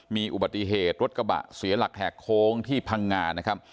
มีอุบัติเหตุรถกระบะเสียหลักแหกโค้งที่พังงานะครับ